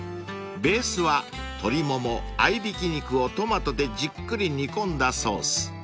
［ベースは鶏もも合いびき肉をトマトでじっくり煮込んだソース］